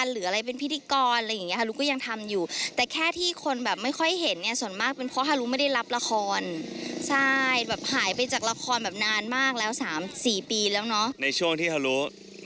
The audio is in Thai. หรืออะไรเป็นพิธีกรอะไรอย่างเงี้ยฮารุก็ยังทำอยู่